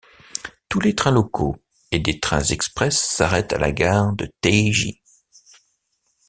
Tous les trains locaux et des trains express s'arrêtent à la gare de Taiji.